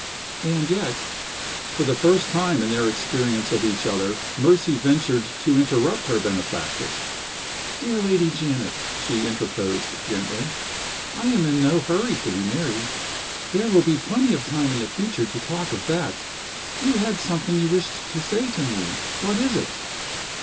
"And yet " For the first time in their experience of each other Mercy ventured to interrupt her benefactress. "Dear Lady Janet," she interposed, gently, "I am in no hurry to be married. There will be plenty of time in the future to talk of that. You had something you wished to say to me. What is it?"